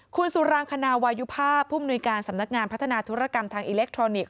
คุณสุรางคณาวายุภาพผู้มนุยการสำนักงานพัฒนาธุรกรรมทางอิเล็กทรอนิกส